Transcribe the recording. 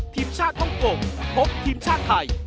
ทีมชาติธรรมกลมพบทีมชาติไทย